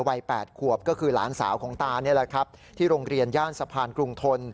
วัย๘ขวบก็คือหลานสาวของตานี่แหละครับที่โรงเรียนย่านสะพานกรุงทน